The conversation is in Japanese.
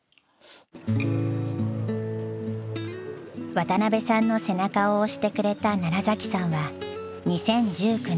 渡邉さんの背中を押してくれた崎さんは２０１９年に引退。